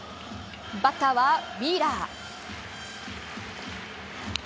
バッターはウィーラー。